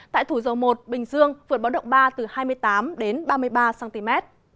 tại thủ dầu một bình dương vượt báo động ba từ hai mươi tám đến ba mươi ba cm